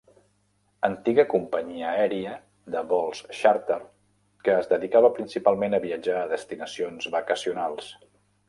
Antiga companyia aèria de vols xàrter que es dedicava principalment a viatjar a destinacions vacacionals.